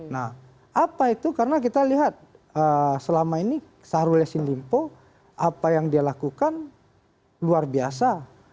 nah apa itu karena kita lihat selama ini sahrul yassin limpo apa yang dia lakukan luar biasa